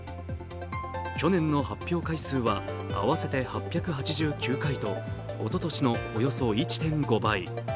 去年の発表回数は合わせて８８９回とおととしのおよそ１．５倍。